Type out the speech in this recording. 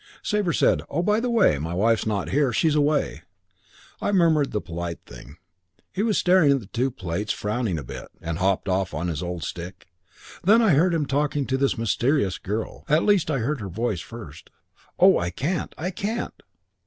"Sabre said, 'Oh, by the way, my wife's not here. She's away.' "I murmured the polite thing. He was staring at the two places, frowning a bit. 'Half a minute,' he said and hopped off on his old stick. Then I heard him talking to this mysterious girl. At least I heard her voice first. 'Oh, I can't! I can't!'